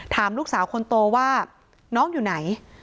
ถามลูกสาวคนโตว่าน้องอยู่ไหน